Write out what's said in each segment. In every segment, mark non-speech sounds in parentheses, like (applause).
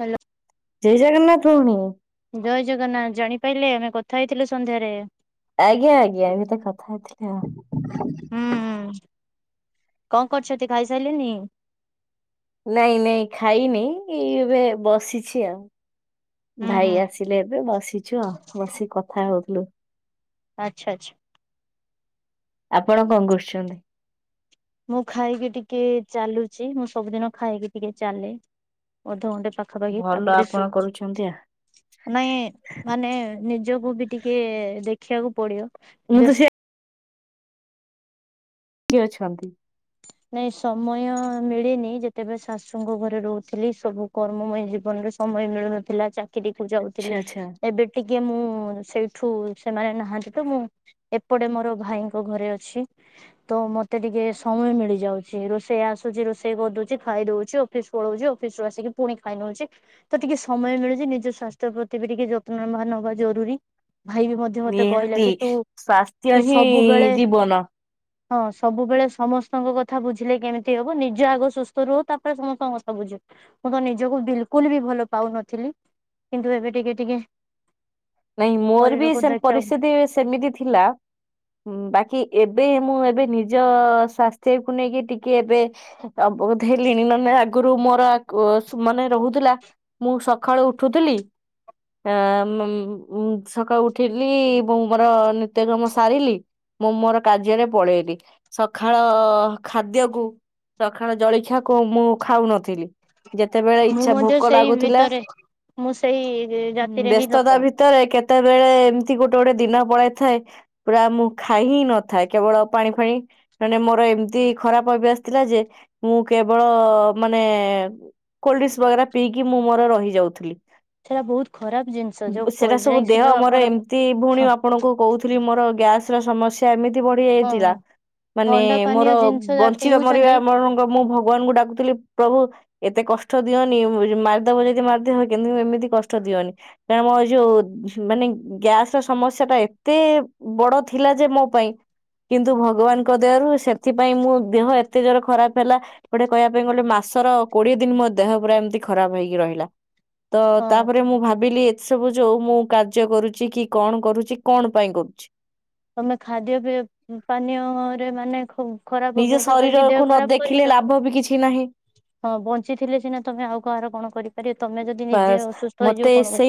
Hello ଜୟ ଜଗନ୍ନାଥ ଭଉଣୀ। ଜୟ ଜଗନ୍ନାଥ ଜାଣିପାରିଲେ ଆମେ କଥା ହେଇଥିଲୁ ସନ୍ଧ୍ୟାରେ। ଆଜ୍ଞା ଆଜ୍ଞା ଏମେ ତ କଥା ହେଇଥିଲେ ହୁଁ ଆଉ। ହୁଁ କଣ କରୁଛନ୍ତି ଖାଇସାରିଲେଣି? ନାଇଁ ନାଇଁ ଖାଇନି ଏଇ ଏବେ ବସିଛି ଆଉ। ହୁଁ ହୁଁ ଭାଇ ଆସିଲେ ଏବେ ବସିଛୁ ଆଉ ବସିକି କଥା ହଉଥିଲୁ। ଆଚ୍ଛା ଆଚ୍ଛା। ଆପଣ କଣ କରୁଚନ୍ତି? ମୁଁ ଖାଇକି ଟିକେ ଚାଲୁଛି ମୁଁ ସବୁଦିନ ଖାଇକି ଟିକେ ଚାଲେ ଅଧଘଣ୍ଟେ ପାଖାପାଖି ଭଲ ତାପରେ ଆପଣ ଶୋଉଛି। କରୁଛନ୍ତି ଆ ନାଇଁ ମାନେ ନିଜକୁ ବି ଟିକେ ଦେଖିବାକୁ ପଡିବ। ମୁଁ ବ୍ୟସ୍ତ ତ ସେଇଆ କିଏ ଅଛନ୍ତି? ନାଇଁ ସମୟ ମିଳେନି ଯେତେବେଳେ ଶାଶୁଙ୍କ ଘରେ ରହୁଥିଲି ସବୁ କର୍ମମୟ ଜୀବନରେ ସମୟ ମିଳୁନଥିଲା ଚାକିରିକୁ ଆଚ୍ଛା ଯାଉଥିଲି ଆଚ୍ଛା ଏବେ ଟିକେ କି ମୁଁ ସେଇଠୁ ସେମାନେ ନାହାନ୍ତି ତ ମୁଁ ଏପଟେ ମୋର ଭାଇଙ୍କ ଘରେ ଅଛି। ତ ମତେ ଟିକେ ସମୟ ମିଳି ଯାଉଛି ରୋଷେଇ ଆସୁଛି ରୋଷେଇ କରିଦଉଛି ଖାଇଦଉଛି ଅଫିସ ପଳଉଛି ଅଫିସ ରୁ ଆସିକି ପୁଣି ଖାଇ ନଉଛି। ତ ଟିକେ ସମୟ ମିଳୁଛି ନିଜ ସ୍ୱାସ୍ଥ୍ୟ ପ୍ରତି ବି ଟିକେ ଯତ୍ନବାନ ହବା ଜରୁରୀ। ଭାଇ ବି ମଧ୍ୟ ମତେ କହିଲେ ନିହାତି। କି ତୁ ସ୍ୱାସ୍ଥ୍ୟ ତୁ ହିଁ ସବୁବେଳେ ଜୀବନ। ହଁ ସବୁବେଳେ ସମସ୍ତଙ୍କ କଥା କଥା ବୁଝିଲେ କେମିତି ହବ ନିଜ ଆଗ ସୁସ୍ଥ ରୁହ ତାପରେ ସମସ୍ତଙ୍କ କଥା ବୁଝିବେ ମୁଁ ତ ନିଜକୁ ବିଲକୁଲ ବି ଭଲ ପାଉନଥିଲି କିନ୍ତୁ ଏବେ ଟିକେ ଟିକେ ନାଇଁ ମୋର ବି ଶରୀରକୁ ସେ ଦେଖିବାକୁ ପରିସ୍ଥିତି ସେମିତି ଥିଲା ବାକି ଏବେ ମୁଁ ଏବେ ନିଜ ସ୍ୱାସ୍ଥ୍ୟକୁ ନେଇକି ଟିକେ ଏବେ ଅବଗତ ହେଲିଣି ନାହେନେ ଆଗରୁ ମୋର ମାନେ ରହୁଥିଲା ମୁଁ ସକାଳୁ ଉଠୁଥିଲି। ଆ ସକାଳୁ ଉଠିଲି ଏବଂ ମୋର ନିତ୍ୟ କର୍ମ ସାରିଲି ମୁଁ ମୋର କାର୍ଯ୍ୟରେ ପଳେଇଲି ସକାଳ ଖାଦ୍ୟକୁ ସକାଳ ଜଳଖିଆକୁ ମୁଁ ଖାଉନଥିଲି। ଯେତେବେଳେ ମୁଁ ଇଚ୍ଛା ମଧ୍ୟ ଭୋକ ସେଇ ଲାଗୁଥିଲା ଭିତରେ ମୁଁ ସେଇ ଜାତିରେ ହିଁ ଲୋକ ବ୍ୟସ୍ତତା ଭି କେତେବେଳେ ଏମିତି ଗୋଟେ ଗୋଟେ ଦିନ ପଳେଇ ଥାଏ ପୁରା ମୁଁ ଖାଇ ହିଁ ନଥାଏ କେବଳ ପାଣି ଫାଣି ମାନେ ମୋର ଏମିତି ଖରାପ ଅଭ୍ୟାସ ଥିଲା ଯେ ମୁଁ କେବଳ ମାନେ କୋଲ୍ଡ ଡ୍ରିଙ୍କସ ବରା ପିଇକି ମୁଁ ମୋର ରହିଯାଉଥିଲି। ସେଇଟା ବହୁତ ଖରାପ ଜିନିଷ ଯୋଉ ସେଟା କୋଲ୍ଡ ସବୁ ଡ୍ରିଙ୍କସ ଦେହ ଯୋଉ ମୋର ଆପଣ ଏମିତି ଭଉଣୀ ହଁ ଆପଣଙ୍କୁ କହୁଥିଲି ମୋର ଗ୍ୟାସ ର ସମସ୍ୟା ଏମିତି ତି ବଢିଯାଇଥିଲା ହଁ ମାନେ ଥଣ୍ଡା ପାନୀୟ ମୋର ଜିନିଷ ଯା ବଞ୍ଚିବା ମରିବା ପିଉଛନ୍ତି ମ ମୁଁ ଭଗବାନଙ୍କୁ ଡାକୁଥିଲି ପ୍ରଭୁ ଏତେ କଷ୍ଟ ଦିଅନି ମାରିଦବ ଯଦି ମାରିଦିବ କିନ୍ତୁ ଏମିତି କଷ୍ଟ ଦିଅନି କାରଣ ମୋ ଯୋଉ ମାନେ ଗ୍ୟାସ ର ସମସ୍ୟା ଟା ଏତେ ବଡ ଥିଲା ଯେ ମୋ ପାଇଁ କିନ୍ତୁ ଭଗବାନଙ୍କ ଦେହରୁ ସେଥିପାଇଁ ମୋ ଦେହ ଏତେ ଜୋର ଖରାପ ହେଲା ଗୋଟେ କହିବା ପାଇଁ ଗଲେ ମା ସର କୋଡିଏ ଦିନ ମୋ ଦେହ ପୁରା ଏମିତି ଖରାପ ହେଇକି ରହିଲା ତ ହଁ ତାପରେ ମୁଁ ଭାବିଲି ଏତେ ସବୁ ଯୋଉ ମୁଁ କାର୍ଯ୍ୟ କରୁଛି କି କଣ କରୁଛି କଣ ପାଇଁ କରୁଛି? ତମେ ଖାଦ୍ୟ ପାନୀୟରେ ମାନେ ଖୁବ ଖରାପ ନିଜ ଅଭ୍ୟାସ କରିକି ଦେହ ଶରୀରକୁ ନ ଖରାପ ଦେଖିଲେ କରିଚ। ଲାଭ ବି କିଛି ନାହିଁ। ହଁ ବଞ୍ଚିଥିଲେ ସିନା ତମେ ଆଉ କାହାର କଣ କରିପାରିବ ତମେ ଯଦି ନିଜେ ଅସୁସ୍ଥ ହେଇଯିବ କଣ କର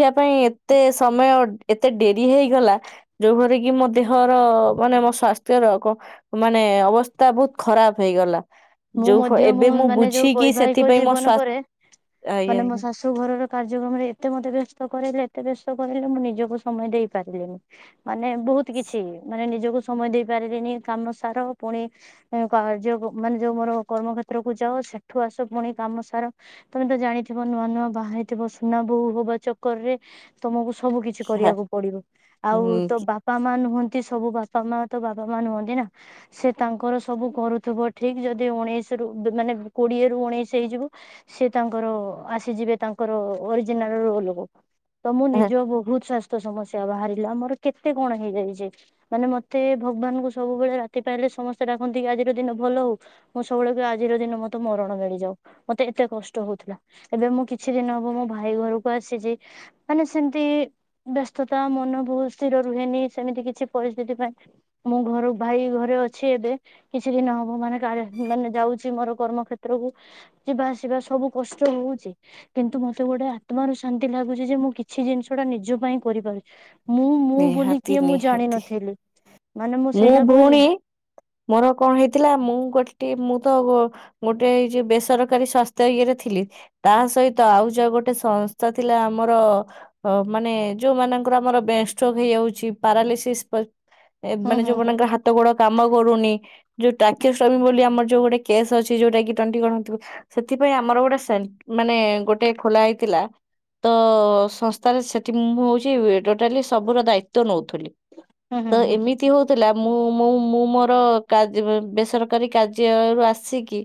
ଦେଖିବା ପାଇଁ ଏତେ ସମୟ ଏ ଏତେ ଡେରି ହେଇଗଲା ଯୋଉ ଘରେ କି ମୋ ଦେହର ମାନେ ମୋ ସ୍ୱାସ୍ଥ୍ୟର ଅ ମାନେ ମାନେ ଅବସ୍ଥା ବହୁତ୍ ଖରାପ ହେଇଗଲା। ମୁଁ ଯୋଉ ଫ- ମଧ୍ୟ ମୋ ଏବେ ମୁଁ ମାନେ ଯୋଉ ବୁଝିକି ବୈବାହିକ ସେଥିପାଇଁ ମୋ ଜୀବନ ସ୍ୱା ପରେ ଆଜ୍ଞା ମାନେ ମୋ ଆଜ୍ଞା ଶାଶୁ ଘରର କାର୍ଯ୍ୟକ୍ରମରେ ଏତେ ମତେ ବ୍ୟସ୍ତ କରାଇଲେ ଏତେ ବ୍ୟସ କରେଇଲେ ମୁଁ ନିଜକୁ ସମୟ ଦେଇ ପାରିଲିନି ମାନେ ବହୁତ କିଛି ମାନେ ନିଜକୁ ସମୟ ଦେଇପାରିଲିନି କାମ ସାର ପୁଣି କାର୍ଯ୍ୟ ମାନେ ଯୋଉ ମୋର କର୍ମକ୍ଷେତ୍ରକୁ ଯାଓ ସେଠୁ ଆସ ପୁଣି କାମ ସାର ତମେ ତ ଜାଣିଥିବ ନୂଆ ନୂଆ ବାହାହେଇଥିବ ସୁନା ବୋହୂ ହବା ଚକର ରେ ତମକୁ ସବୁ କିଛି ହଁ, କରିବାକୁ ପଡିବ ଆଉ ତୋ ବାପା ମା ନୁହ ନ୍ତି ସବୁ ବାପା ମା ତ ବାପା ମା ନୁହନ୍ତି ନା ସେ ତାଙ୍କର ସବୁ କରୁଥିବ। ଠିକ ଯଦି ଉଣେଇଶ ର ମାନେ କୋଡିଏ ରୁ ଉଣେଇଶ ହେଇଯିବୁ ସେ ତାଙ୍କର ଆସିଯିବେ ତାଙ୍କ ଓରିଜିନାଲ ରୋଲ କୁ ତ ମୁଁ ହୁଁ, ନିଜ ବହୁତ୍ ସା ସମସ୍ୟା ବାହାରିଲା ମୋର କେତେ କଣ ହେଇଯାଇଛି। ମାନେ ମତେ ଭଗବାନଙ୍କୁ ସବୁବେଳେ ରାତି ପାଇଲେ ସମସ୍ତେ ଡାକନ୍ତି କି ଆଜିର ଦିନ ଭଲ ହଉ ମୁଁ ସବୁବେଳେ ଆଜିର ଦିନ ମତେ ମରଣ ମିଳିଯାଉ। ମତେ ଏତେ କଷ୍ଟ ହଉଥିଲା ଏବେ ମୁଁ କି କିଛି ଦିନ ହବ ମୋ ଭାଇ ଘରକୁ ଆସିଛି ମାନେ ସେମିତି ବ୍ୟସ୍ତତା ମନ ବହୁତ ସ୍ଥିର ରୁହେନି ସେମିତି କିଛି ପରିସ୍ଥିତି ପାଇଁ ମୁଁ ଘର ଭାଇ ଘରେ ଅଛି ଏବେ କିଛି ଦିନ ହ ମୁଁ ମାନେ କାରିଆ ମାନେ ଯାଉଛି ମୋର କର୍ମ କ୍ଷେତ୍ରକୁ ଯିବା ଆସିବା ସବୁ କଷ୍ଟ ହଉଛି। କିନ୍ତୁ ମତେ ଗୋଟେ ଆତ୍ମାରୁ ଶାନ୍ତି ଲାଗୁଛି ଯେ ମୁଁ କିଛି ଜିନିଷ ଟା ନିଜ ପାଇଁ କରିପାରୁ ମୁଁ ମୁଁ ବୋଲି ନିହାତି କିଏ ମୁଁ ନିହାତି ଜାଣିନଥିଲି। ମାନେ ମୁଁ ସେଇଠା କହୁଛି ଥିଲା ମୁଁ ଗୋଟେ ମୁଁ ତ ଗୋ ଗୋଟେ ଇ ଜି ବେସରକାରୀ ସସ୍ଥ୍ୟ ଇଏରେ ଥିଲି ତା ସହିତ ଆଉ ଯୋ ଗୋଟେ ସଂସ୍ଥା ଥିଲା ଆମର ଅ ମାନେ ଯୋଉ ମାନଙ୍କର ଆମର ବେ ଷ୍ଟୋକ୍। ହେଇଯାଉଛି ପାରାଲିସିସ୍ ପ ଏ ହୁଁ ମାନେ ହୁଁ ହୁଁ ଯୋଉମାନାନଙ୍କର ହାତ ଗୋଡ କାମ କରୁନି ଯୋଉ ଟାକ୍ଷ୍ୟ ଷ୍ଟୋମି ବୋଲି ଆମ ଯୋଉ ଗୋଟେ କେସ୍ ଅଛି ଯୋଉଟା ଟ୍ବେଣ୍ଟି ଗ ସେଥିପାଇଁ ଆମର ଗୋଟେ ସେ ମାନେ ଗୋଟେ ଖୋଲା ହେଇଥି ତ ସଂସ୍ଥାରେ ସେଠି ମୁଁ ହଉଛି ଟୋଟାଲି ସବୁର ଦାୟିତଵ ନଉଥିଲି ହୁଁ ହୁଁ ତ ହୁଁ ଏମିତି ହଉଥିଲା ମୁଁ ମୁଁ ମୁଁ ମୋର କାଜ୍ ବେସରକାରୀ କାର୍ଯରୁୁ ଆସିକି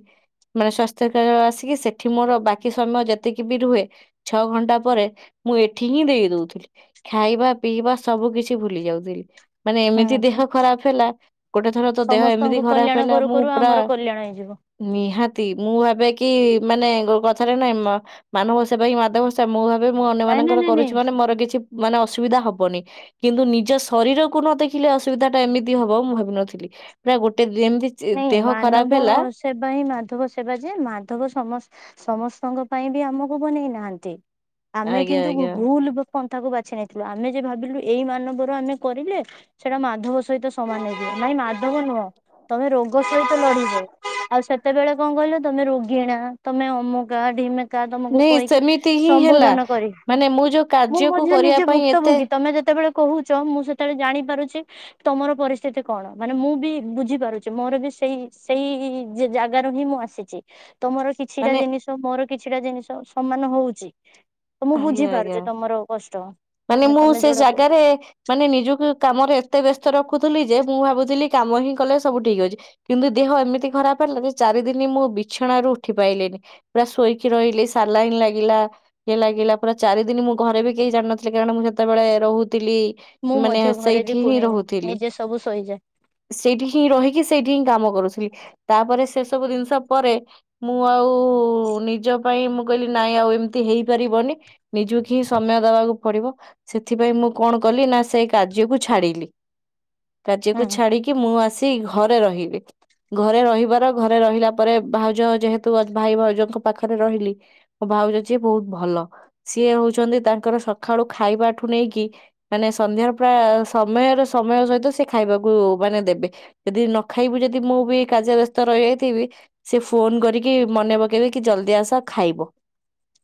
ମାନେ ସ୍ଵାସ୍ଥ୍ୟ ଆସିକି ସେଠି ମୋର ବାକି ସମୟ ଯେତିକି ବି ରୁହେ ଛଅ ଘଣ୍ଟା ପରେ ମୁଁ ଏଠି ହିଁ ଦେଇ ଦଉଥିଲି ଖାଇବା ପିଇବା ସବୁ କିଛି ଭୁଲି ଯାଉଥିଲି ମାନେ ଯେ ହୁଁ ଦେହ ଖରାପ ହେଲା। ଗୋଟେ ଥର ତ ଦେହ ଏମିତି ସମସ୍ତଙ୍କ ଖରାପ କଲ୍ୟାଣ ହେଲା କରୁ ମୁଁ କରୁ ପୁରା ଆମର କଲ୍ୟାଣ ହେଇଯିବ ନିହାତି ମୁଁ ଭାବେ କି ମାନେ କଥାରେ ନାହିଁ ମା ମାନବ ସେବା ହିଁ ମାଧବ ସେ। ମୁଁ ଭା ମୁଁ ଅନ୍ୟ ନାଇଁ ନାଇଁ ମାନଙ୍କର ନାଇଁ ନାଇଁ କରୁଛି ମାନେ ମୋର କିଛି ମାନେ ଅସୁବିଧା ହବନି କିନ୍ତୁ ନିଜ ଶରୀରକୁ ନଦେଖୀ ଦେଖିଲେ ଅସୁବିଧା ଟା ଏମିତି ହବ ମୁଁ ଭାବିନଥିଲି ପୁରା ଗୋଟେ ଯେମିତି ଚେ ନାଇଁ ଦେହ ଖରାପ ମାନବ ହେଲା ସେବା ହିଁ ମାଧବ ସେବା ଯେ ମାଧବ ସମ ସମସ୍ତ ସଂଘ ପାଇଁ ବି ଆମକୁ ବନେଇ ନାହାନ୍ତି ଆମେ ଆଜ୍ଞା କିନ୍ତୁ ଭୁ ଆଜ୍ଞା ଭୁଲୁ ପନ୍ଥାକୁ ବାଛି ନେଇଥିଲୁ ଆମେ ଯେ ଭାବିଲୁ ଏଇ ମାନବର ଆମେ କରିଲେ ସେଇଟା ମାଧବ ସହିତ ସମାନ ହେଇଜୀବ। ନାଇଁ ମାଧବ ନୁହଁ। ତମେ ରୋଗ ସହିତ ଲଢିବ ଆଉ ସେତେବେଳେ କଣ କହିଲ ତମେ ରୋଗିଣା ତମେ ଅମୁକା ଢେମି କା ତମକୁ ନାଇଁ କହିକି ସେମିତି ହିଁ ହେଲା। ସମ୍ବୋଧନ କରି ମାନେ ମୁଁ ଯୋଉ ମୁଁ କାର୍ଯ୍ୟକୁ ମଧ୍ୟ କରିବା ନିଜେ ପାଇଁ ଏତେ ଭୁକ୍ତଭୋଗୀ ତମେ ଯେତେବେଳେ କହୁଛ ମୁଁ ସେତେବେଳେ ଜାଣି ପାରୁଛି ତମର ପରିସ୍ଥିତି କଣ ମାନେ ମୁଁ ବି ବୁଝିପାରୁ ଚି ମୋର ବି ସେଇ ସେଇ ଜାଗାରୁ ହିଁ ମୁଁ ଆସିଛି। ତମର କିଛିଟା ମାନେ ଜିନିଷ ମୋର କିଛିଟା ଜିନିଷ ସମାନ ହଉଛି। ତ ମୁଁ ଆଜ୍ଞା ଆଜ୍ଞା। ବୁଝିପାରୁଛି ତମର କଷ୍ଟ। ମାନେ ମୁଁ ତମେ ସେ ଯୋଉଟା ଜାଗାରେ ମାନେ ନିଜକୁ କାମରେ ଏତେ ବ୍ୟସ୍ତ ରଖୁଥିଲି ଯେ, ମୁଁ ଭାବୁଥିଲି କାମ ହିଁ କଲେ ସବୁ ଠିକ୍ ଅଛି। କିନ୍ତୁ ଦେହ ଏମିତି ଖରାପ ହେଲା ଯେ, ଚାରି ଦିନି ମୁଁ ମୁଁ ବିଛଣା ଉଠି ପାଇଲିନି। ପୁରା ଶୋଇକି ରହିଲି ସାଲାଇନ୍ ଲାଗିଲା, ଇଏ ଲାଗିଲା। ପୁରା ଚାର ରିଦିନ ମୁଁ ଘରେ ବି କେହି ଜାଣିନଥିଲେ, କାରଣ ମୁଁ ସେତେବେଳେ ରହୁ ଥିଲି। ମୁଁ ମାନେ ମଧ୍ୟ ଘରେ ବି ସେଇଠି ହିଁ କୁହେନି ରହୁଥିଲି। ନିଜେ ସବୁ ଶୋଇଯାଏ ସେଇଠି ହିଁ ରହିକି ସେଇ ହିଁ କାମ କରୁଥିଲି। ତା'ପରେ ସେ ସବୁ ଜିନିଷ ପରେ ମୁଁ ଆଉ-ଉ ନିଜ ପାଇଁ ମୁଁ, କହିଲି ନାଇଁ ଆଉ ଏମିତି ହେଇପାରିବନି। ନିଜକୁ ହିଁ ସମୟ ଦବାକୁ ପଡିବ। ସେଥିପାଇଁ ମୁଁ କଣ କଲି ନା, ସେ କାର୍ଯ୍ୟକୁ ଛାଡିଲି। ହୁଁ କାର୍ଯ୍ୟକୁ ଛାଡିକି ମୁଁ ଆସି, ଘରେ ରହିଲି। ଘରେ ରହିବାର, ଘରେ ରହିଲା ପରେ ଭାଉଜ ଯେହେତୁ, ଭାଇ ଭାଉଜଙ୍କ ପାଖରେ ରହିଲି। ଭା ଭାଉଜ ଯିଏ ବହୁତ ଭଲ। ସିଏ ହଉଛନ୍ତି ତାଙ୍କର ଶ ସଖାଳୁ ଖାଇବା ଠୁ ନେଇକି, ମାନେ ସନ୍ଧ୍ୟାର ପୁରା ସମୟର ସମୟ ସହିତ ସେ ଖାଇବାକୁ ମାନେ ଦେବେ। ଯଦି ନ ଖାଇବୁ ଯଦି, ମୁଁ ବି କାର୍ଯ୍ୟ ବ୍ୟସ୍ତ ରହିଯାଇଥିବି, ସେ ଫୋନ କରିକି ମ ମନେ ପକେଇବେକି ଜଲଦି ଆସ ଖାଇବ।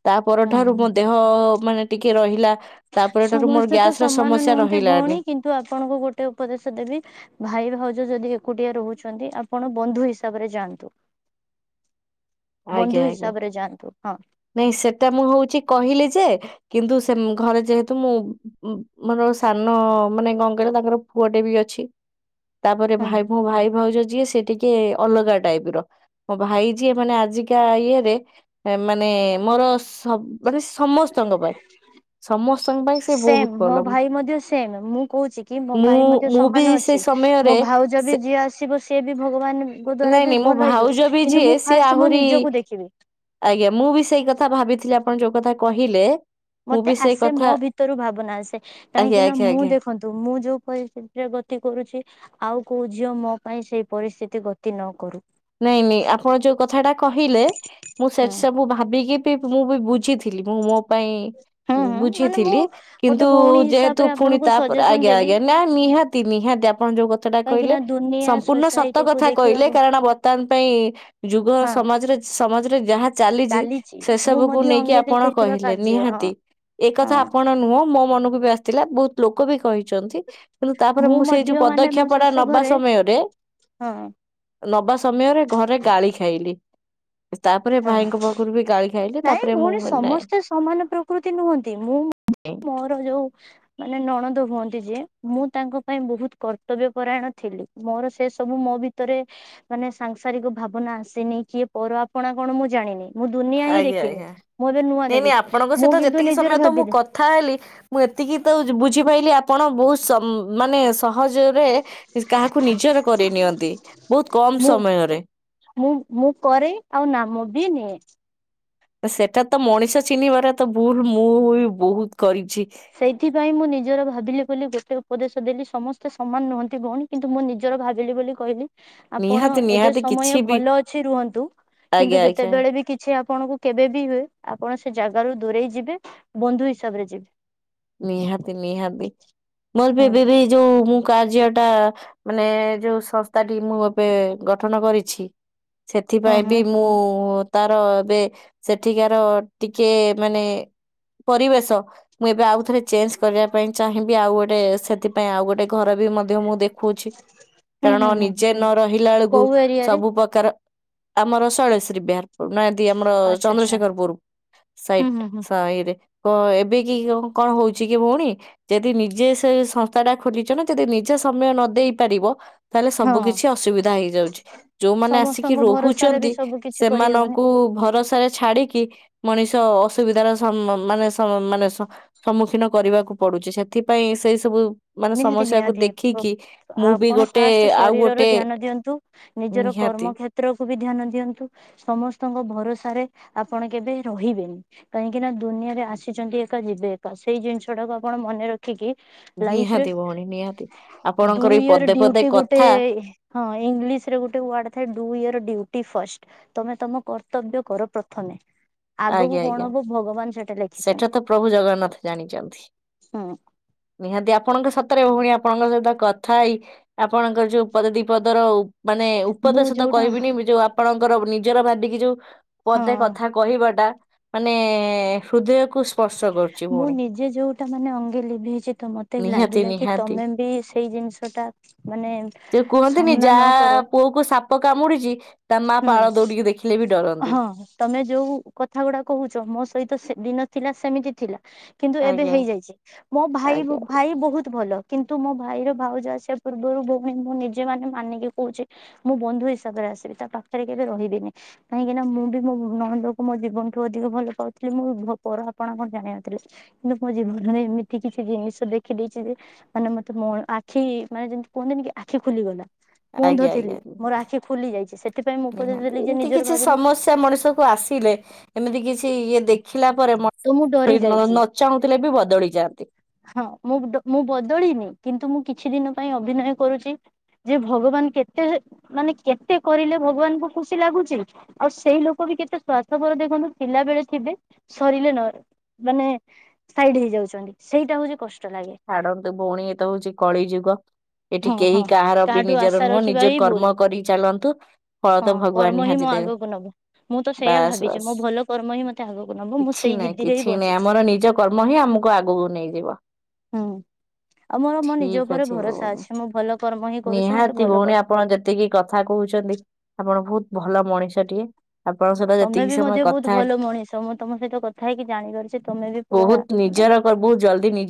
ତା ହୁଁ ପରଠାରୁ ହୁଁ। ମୋ ଦେହ-ଅ ମାନେ ଟିକେ ରହିଲା। ତା'ପରେ ଠାରୁ ମୋର ସମସ୍ତେ ତ ଗ୍ୟାସ ର ସମାନ ସମସ୍ୟା ନୁହଁନ୍ତି ରହିଲାନି ଭଉଣୀ। କିନ୍ତୁ, ଆପଣଙ୍କୁ ଗୋଟେ ଉପଦେଶ ଦେବି, ଭାଇ ଭାଉଜ ଯଦି ଏକୁଟିଆ ରହୁଛନ୍ତି! ଆପଣ ବନ୍ଧୁ ହିସାବରେ ଯାଆନ୍ତୁ। ଆଜ୍ଞା ବନ୍ଧୁ ଆଜ୍ଞା। ହିସାବରେ ଯାଆନ୍ତୁ। ହଁ ନାଇଁ, ସେଟା ମୁଁ ହଉଛି କହିଲି ଯେ, କିନ୍ତୁ ସେ ଘରେ ଯେହେତୁ ମୁଁ ଉମ୍ ମାଡ ସାନ-ଅ ମାନେ କଣ କହିଲ! ତାଙ୍କର ପୁଅଟେ ବି ଅଛି। ତା'ପରେ ହୁଁ ଭାଇ ହୁଁ। ଭ ମୋ ଭାଇ ଭାଉଜ ଯିଏ ସିଏ ଟିକେ ଅଲଗା ଟାଇପ୍ ର। ମୋ ଭାଇ ଯିଏ, ମାନେ ଆଜିକା ଇଏ ରେ ମାନେ ମୋର ସବ୍ ମାନେ ସମସ୍ତଙ୍କ ପାଇଁ ସମସ୍ତଙ୍କ ପାଇଁ ସେ ସେମ୍ ବହୁତ ମୋ ଭଲ। ଭାଇ ମଧ୍ୟ ସେମ୍। ମୁଁ କହୁଛି କି ମୋ ମୁଁ ଭାଇ ମଧ୍ୟ ମୁଁ ବି ସମାନ ସେ ଅଛି। ମୋ ସମୟରେ ଭାଉଜ ସେ ବି ଯିଏ ଆସିବ, ସିଏ ବି ଭଗବାନଙ୍କ ଦ୍ଵାରା ନାଇଁ ବି ନାଇଁ ମୋ ଭଲ ହେଇଥିବ। ଭାଉଜ ବି କିନ୍ତୁ ଯିଏ ମୁଁ ସିଏ ଫାଷ୍ଟ ମୋ ଆହୁରି ନିଜକୁ ଦେଖିବି। ଆଜ୍ଞା, ମୁଁ ବି ସେଇ କଥା ଭାବିଥିଲି। ଆପଣ ଯୋଉ କଥା କହିଲେ ମୁଁ ମତେ ବି ସେଇ ଆସେ, ମୋ କଥା ଭିତରୁ ଭାବନା ଆସେ ଆଜ୍ଞା କାହିଁକି ନା! ଆଜ୍ଞା ମୁଁ ଆଜ୍ଞା ଦେଖନ୍ତୁ ମୁଁ ଯୋଉ ପରିସ୍ଥିତିରେ ଗତି କରୁଛି। ଆଉ କୋଉ ଝିଅ ମୋ ପାଇଁ ସେଇ ପରିସ୍ଥିତି ଗତି ନ କରୁ। ନାଇଁ ନାଇଁ, ଆପଣ ଯୋଉ କଥାଟା କହିଲେ ମୁଁ ସେ ହୁଁ ସବୁ ଭାବିକି ମୁଁ ବି ବୁଝିଥିଲି। ମୁଁ ମୋ ପାଇଁ ହୁଁ ହୁଁ ମାନେ ମୁଁ ବୁଝିଥିଲି। ଗୋଟେ କିନ୍ତୁ ଭଉଣୀ ଯେହେତୁ ହିସାବରେ ଫୁଣି ଆପଣଙ୍କୁ ତାପରେ ସଜେସନ ଆଜ୍ଞା, ଦେଲି ଆଜ୍ଞା, ନା ନିହାତି ନିହାତି ଆପଣ ଯଉ କଥାଟା କାହିଁକି କହିଲେ, ନା ଦୁନିଆ ସମ୍ପୂର୍ଣ ସତ ସୋସାଇଟି କୁ କଥା କହିଲେ। ଦେଖିବାକୁ କାରଣ (inaudible) ଆମ୍ ପାଇଁ ଯୁଗ ହଁ ସମାଜରେ, ସମାଜରେ ଯାହା ଚାଲିଛି, ସେ ମୁଁ ସବୁକୁ ମଧ୍ୟ ନେଇକି ଅଙ୍ଗେ ଆପଣ ଲିଭେଇଥିବା କହିଲେ କାର୍ଯ୍ୟ ହଁ ନିହାତି। ଏ କଥା ହଁ ଆପଣ ନୁହଁ। ମୋ ମନକୁ ବି ଆସିଥିଲା। ବହୁତ ଲୋକ ବି କହି ଚନ୍ତି, କିନ୍ତୁ ତା'ପରେ ମୁଁ ସେଇ ମଧ୍ୟ ଯୋଉ ମାନେ ମୋ ପଦକ୍ଷେପଟା ଶାଶୁ ନବା ଘରେ ସମୟରେ ହଁ ନବା ସମୟରେ ଘରେ ଗାଳି ଖାଇଲି। ତା'ପରେ ହଁ ଭାଇଙ୍କ ପାଖରୁ ବି ଗା ନାଇଁ, ଭଉଣୀ ସମସ୍ତେ ସମାନ ପ୍ରକୃତି ନୁହନ୍ତି। ମୁଁ ମୋର ଯୋଉ, ମାନେ ନଣନ୍ଦ ହୁଅନ୍ତ ନ୍ତି ଯିଏ, ମୁଁ ତାଙ୍କ ପାଇଁ ବହୁତ କର୍ତ୍ତବ୍ୟ ପରାୟଣ ଥିଲି। ମୋର ସେ ସବୁ ମୋ ଭିତରେ ମାନେ ସାଂସାରିକ ଭାବନା ଆସିନି। କିଏ ପର ଆପଣା କଣ ମୁଁ ଜାଣିନି? ମୁଁ ଦୁନିଆ ହିଁ ଆଜ୍ଞା, ଦେଖିନି ଆଜ୍ଞା, ମୁଁ ଏବେ ନୂଆ ନାଇଁ ନାଇଁ ଦେଖୁଛି ଆପଣଙ୍କ ମୁଁ ସହିତ କିନ୍ତୁ ଯେତିକି ନିଜର ସମୟ ତ ମୁଁ ଭାବିଲି କଥା ହେଲି, ମୁଁ ଏତିକି ତ ବୁଝିପାଇଲି! ଆପଣ ବହୁତ ସମ୍ ମାନେ ସ ସହଜରେ କାହାକୁ ନିଜର କରେଇ ନିଅନ୍ତି, ବହୁତ କମ ସମୟରେ। ମୁଁ-ମୁଁ କରେ ଆଉ ନାମ ବି ନିଏ। ସେଟା ତ ମଣିଷ ଚିହ୍ନିବାର ତ ଭୁଲ ମୁଁ ଉବି ବହୁତ କରି ସେଇଥିପାଇଁ ମୁଁ ନିଜର ଭାବିଲି ବୋଲି, ଗୋଟେ ଉପଦେଶ ଦେଲି, ସମସ୍ତ ଏତ ସମାନ ନୁହଁନ୍ତି ଭଉଣୀ କିନ୍ତୁ, ମୁଁ ନିଜର ଭାବିଲି ବୋଲି କହିଲି। ଆପଣ, ନିହାତି ଏବେ ନିହାତି କିଛି ସମୟ ବି ଭଲ ଅଛି ରୁହନ୍ତୁ। କିନ୍ତୁ ଆଜ୍ଞା ଆଜ୍ଞା ଯେତେବେଳେ ବି କିଛି ଆପଣଙ୍କୁ କେବେ ବି ହୁଏ, ଆପଣ ସେ ଜାଗାରୁ ଦୂରେଇ ଯିବେ। ବନ୍ଧୁ ହିସାବରେ ଯିବେ। ନିହାତି ନିହାତି ହୁଁ ମୋର ବି ଯୋଉ ମୁଁ କାର୍ଯ୍ୟ ଟା ମାନେ ଯୋଉ ସଂସ୍ଥାଟି ମୁଁ ଏବେ ଗଠନ କରିଛି ହୁଁ ସେଥିପାଇଁ ହୁଁ ବି ମୁଁ ତାର ଏବେ ସେଠିକାର ଟିକେ ମାନେ ପରିବେଶ ମୁଁ ଏବେ ଆଉ ଥରେ ଚେଞ୍ଜ କରିବା ପାଇଁ ଚାହିଁବି ଆଉ ଗୋଟେ ସେଥିପାଇଁ ଆଉ ଗୋଟେ ଘର ବି ମଧ୍ୟ ମୁଁ ଦେଖଉଛି ହୁଁ କାରଣ ହୁଁ ହୁଁ ନିଜେ ନ ରହିଲା ବେଳକୁ କୋଉ ଏରିଆରେ ସବୁ ପ୍ରକାର ଆମର ସୈଳଶ୍ରୀ ବିହାରପୁର ନ ଦି ଆମର ଆଚ୍ଛା ଆଚ୍ଛା ଚନ୍ଦ୍ରଶେଖର ପୁର ହୁଁ ସାଇଟ ହୁଁ ହୁଁ ସାଇରେ କ ଏବେ କି କ କଣ ହଉଛି କି ଭଉଣୀ ଯଦି ନିଜେ ସେ ସଂସ୍ଥା ଟା ଖୋଲିଛ ନା ଯଦି ନିଜେ ସମୟ ନ ଦେଇ ପାରିବ ତାହାଲେ ହଁ ସବୁ କିଛି ଅସୁବିଧା ହେଇଯାଉଛି। ଯୋଉମାନେ ଆସିକି ସମସ୍ତଙ୍କ ଭରସାରେ ବି ରହୁଛନ୍ତି ସବୁ କିଛି କରିହବନି ସେମାନଙ୍କୁ ଭରସା ରେ ଛାଡିକି ମଣିଷ ଅସୁବିଧାର ସମ୍ ମାନେ ସମ୍ ମାନେ ଶ୍ ସମ୍ମୁଖୀନ କରିବାକୁ ପଡୁଛି ସେଥିପାଇଁ ସେଇ ସବୁ ମାନେ ନିହାତି ସମସ୍ୟାକୁ ନିହାତି ଦେଖିକି ମୁଁ ବି ଆପଣ ଗୋଟେ ଫାଷ୍ଟ ଆଉ ଶରୀରର ଗୋଟେ ଧ୍ୟାନ ଦିଅନ୍ତୁ। ନିଜର ନିହାତି କର୍ମକ୍ଷେତ୍ର ବି ଧ୍ୟାନ ଦିଅନ୍ତୁ। ସମସ୍ତଙ୍କ ଭରସାରେ ଆପଣ କେବେ ରହିବେନି କାହିଁକି ନା ଦୁ ଦୁନିଆରେ ଆସିଛନ୍ତି ଏକା ଯିବେ ଏକା ସେଇ ଜିନିଷ ଟାକୁ ଆପଣ ମନେ ରଖିକି ନିହା ଡୂ ୟୋର ପଦେ ଡିଉଟି ଗୋଟେ କଥା ହଁ ଇଂଲିଶ ରେ ଗୋଟେ ୱାର୍ଡ ଥାଏ ଡୁ ୟୋର ଡିଉଟି ଫାଷ୍ଟ ତମେ ତମ କର୍ତ୍ତବ୍ୟ କର ପ୍ରଥମେ। ଆଗକୁ ଆଜ୍ଞା କଣ ଆଜ୍ଞା ହବ ଭଗବାନ ସେଠ ସେଟା ତ ପ୍ରଭୁ ଜଗନ୍ନାଥ ଜାଣିଛନ୍ତି ହୁଁ ନିହାତି ଆପ ଆପଣଙ୍କ ସତରେ ଭଉଣୀ ଆପଣଙ୍କ ସହିତ କଥା ହେଇ ଆପଣଙ୍କର ଯୋଉ ପଦ ଦିପଦର ମାନେ ମୁଁ ଉପଦେଶ ତ ଯୋଉଟା କହିବିନି ଯୋଉ ଆପଣଙ୍କର ନିଜର ଭାବିକି ଯୋଉ ପଦେ ହଁ କଥା କହିବାଟା ମାନେ ହୃଦୟକୁ ସ୍ପର୍ଶ କରୁଛି ମୁଁ ଭଉଣୀ। ନିଜେ ଯୋଉଟା ମାନେ ଅଙ୍ଗେ ଲିଭେଇଛି ତ ମତେ ନିହାତି ଲାଗିଲା କି ନିହାତି ତମେ ବି ସେଇ ଜି ଜିନିଷଟା ମାନେ ସାମ୍ନା ନ କର ପ କାମୁଡିଛି ତା ମା ହୁଁ ପାଳ ଦୌଡିକି ଦେଖିଲେ ବି ଡରନ୍ତି। ହଁ ତମେ ଯୋଉ କଥା ଗୁଡା କହୁଛ ମୋ ସହିତ ତ ସେ ଦିନ ଥିଲା ସେମିତି ଥିଲା କିନ୍ତୁ ଏବେ ଆଜ୍ଞା ହେଇଯାଇଛି ମୋ ଭାଇ ମୋ ଆଜ୍ଞା ଭାଇ ବହୁତ ଭଲ। କିନ୍ତୁ ମୋ ଭାଇର ଭାଉଜ ଆସିବା ପୂର୍ବରୁ ଭଉଣୀ ମୁଁ ନିଜେ ମାନେ ମାନିକି କହୁଛି ମୁଁ ବନ୍ଧୁ ହିସାବରେ ଆସିବି ତା ପାଖ ଛାଡ଼ି କେବେ ରହିବିନି କାହିଁକିନା ମୁଁ ବି ମୋ ନଣନ୍ଦକୁ ମୋ ଜୀବନଠୁ ଅଧିକ ଭଲ ପାଉଥିଲି ମୁଁ ପର ହା ଆପଣ କଣ ଜାଣିନଥିଲେ କିନ୍ତୁ ମୋ ଜୀବନରେ ଏମିତି କିଛି ଜିନିଷ ଦେଖିଦେଇଛି ଯେ ମାନେ ମତେ ମୋ ଆଖି ମାନେ ଯେମିତି କୁହନ୍ତିନି କି ଆଖି ଖୁଲିଗଲା। ମୁ ଅନ୍ଧ ଆଜ୍ଞା ଥିଲି ଆଜ୍ଞା ମୋର ନିହାତି ଆଖି ଖୁଲି ଯାଇଛି ସେଟା ନିହାତି ଏମିତି କିଛି ସମସ୍ୟା ମଣିଷକୁ ଆସିଲେ ଏମିତି କିଛି ଇଏ ଦେଖ ଥିଲା ପରେ ତ ମୁଁ ଡରି ଯାଇଛି ନ ଚାହୁଁଥିଲେ ବି ବଦଳି ଯାଆନ୍ତି। ହଁ ମୁଁ ବଡ୍ ମୁଁ ବଦଳିିନି କିନ୍ତୁ ମୁଁ କିଛି ଦିନ ପାଇଁ ଅଭିନୟ କରୁଛି ଯେ ଭଗବାନ କେତେ ଯେ ମାନେ କେତେ କରିଲେ ଭଗବାନଙ୍କୁ ଖୁସି ଲାଗୁଛି। ଆଉ ସେଇ ଲୋକ ବି କେତେ ସ୍ୱାର୍ଥପର ଦେଖନ୍ତୁ ପିଲା ବେଳେ ଥିବେ ସରିଲେ ନ ମାନେ ସାଇଡ ହେଇଯାଉଛନ୍ତି। ସେଇଟା ହଉଛି କଷ୍ ଛାଡନ୍ତୁ ଭଉଣୀ ଏ ତ ହଉଛି କଳି ଯୁଗ। ଏଠି ହଁ କେହି ହଁ କାହାର ବି କାହାଠୁ ଆଶା ନିଜର ନୁହଁ ରଖିବା ନିଜ ହିଁ ଭୁଲ କର୍ମ କରି ଚାଲନ୍ତୁ ଫଳ ହଁ ତ ଭଗବାନ କର୍ମ ହିଁ ମୋ ନିହାତି ଦେ ଆଗକୁ ନୋବୁ। ମୁଁ ତ ସେଇଆ ଭାବିଛି ମୋ ଭଲ କର୍ମ ହିଁ ମତେ ଆଗକୁ ନବ। ମୁଁ କିଛି ସେଇ ଜିଦିରେ ହିଁ ବଞ୍ଚିଛି। ଙ୍କୁ ଆଗକୁ ନେଇଯିବ। ହୁଁ ଆଉ ମୋର ମୋ ନିଜ ଠିକ ଉପରେ ଅଛି ଭରସା ଭଉଣୀ ଅଛି ମୁଁ ଭଲ କର୍ମ ହିଁ କରୁଛି ମତେ ନିହାତି ଭଲ ଭଉଣୀ କର୍ମ ଆପଣ ଯେତିକି କଥା କହୁଛନ୍ତି ଆପଣ ବହୁତ ଭଲ ମଣିଷଟିଏ ଆପଣଙ୍କ ସହିତ ତମେ ଯେତିକି ବି ସମୟ ମଧ୍ୟ କଥା ବହୁତ ହେଲି ଭଲ ମଣିଷ ମୁଁ ତମ ସହିତ କଥା ହେଇକି ଜାଣିପାରୁଛି ତମେ ବି ପୁରା ମାନେ ବିଚାର କରିବୁ ଜଲ୍ଦି (inaudible)